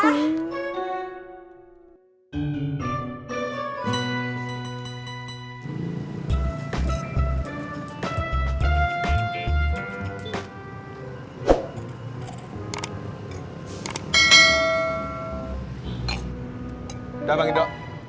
tidak pak gido